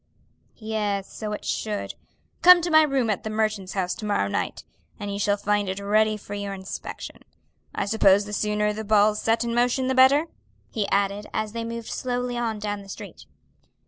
"Yes, so it should. Come to my room at the Merchants' House to morrow night, and you shall find it ready for your inspection. I suppose the sooner the ball's set in motion the better?" he added as they moved slowly on down the street.